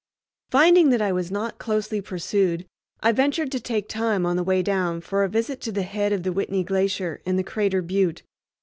Finding that I was not closely pursued, I ventured to take time on the way down for a visit to the head of the Whitney Glacier and the "Crater Butte."